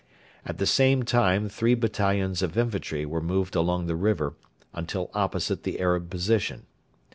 At the same time three battalions of infantry were moved along the river until opposite the Arab position.